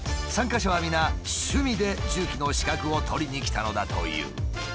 参加者は皆趣味で重機の資格を取りに来たのだという。